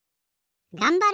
がんばれ！